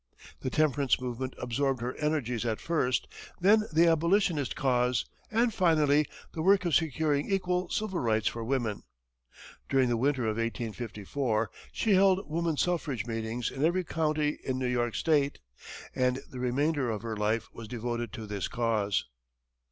The temperance movement absorbed her energies at first; then the Abolitionist cause; and finally the work of securing equal civil rights for women. During the winter of 1854, she held woman suffrage meetings in every county in New York State, and the remainder of her life was devoted to this cause.